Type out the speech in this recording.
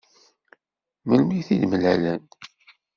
Melmi i t-id-mlalen?